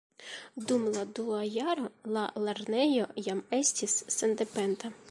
Dum la dua jaro la lernejo jam estis sendependa.